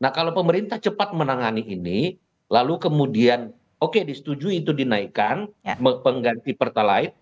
nah kalau pemerintah cepat menangani ini lalu kemudian oke disetujui itu dinaikkan pengganti pertalite